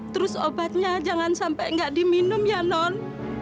terus obatnya jangan sampe ga diminum ya non